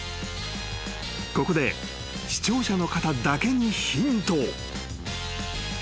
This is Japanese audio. ［ここで視聴者の方だけにヒント］